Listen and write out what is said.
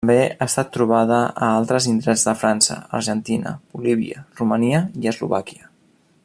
També ha estat trobada a altres indrets de França, Argentina, Bolívia, Romania i Eslovàquia.